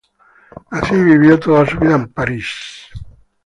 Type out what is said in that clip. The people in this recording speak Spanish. Nació y vivió toda su vida en París.